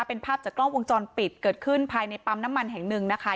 เป็นภาพจากกล้องวงจรปิดเกิดขึ้นภายในปั๊มน้ำมันแห่งหนึ่งนะคะ